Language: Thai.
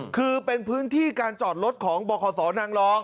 คือเป็นพื้นที่การจอดรถของบขนางรอง